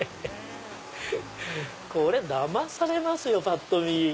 これだまされますよぱっと見。